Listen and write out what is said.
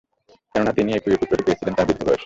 কেননা, তিনি এই প্রিয় পুত্রটি পেয়েছিলেন তার বৃদ্ধ বয়সে।